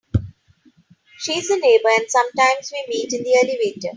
She is a neighbour, and sometimes we meet in the elevator.